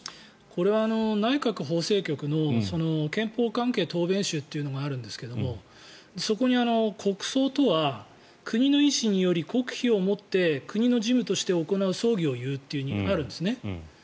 これは内閣法制局の憲法関係答弁集というのがあるんですけどそこに国葬とは国の意思により国費をもって国の事務として行う葬儀を言うとあるんですね。